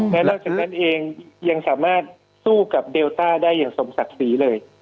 และนอกจากนั้นเองยังสามารถสู้กับเดลต้าได้อย่างสมศักดิ์ศรีเลย